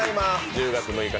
１０月６日